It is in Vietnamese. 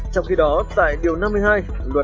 trong khi đó tại điều năm mươi hai